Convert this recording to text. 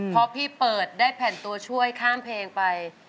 พอพี่เปิดได้แผ่นตัวช่วยข้ามเพลงไป